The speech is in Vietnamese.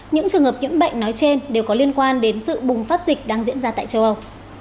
những trường hợp nhiễm bệnh nói trên đều có liên quan đến sự bùng phát dịch đang diễn ra tại châu âu